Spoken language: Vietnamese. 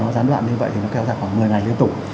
gián đoạn như vậy thì nó kéo dài khoảng một mươi ngày liên tục